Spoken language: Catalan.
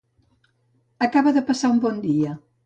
Acaba de passar un bon dia.